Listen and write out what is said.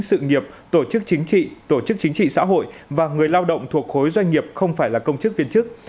sự nghiệp tổ chức chính trị tổ chức chính trị xã hội và người lao động thuộc khối doanh nghiệp không phải là công chức viên chức